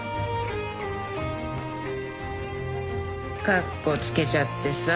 かっこつけちゃってさ。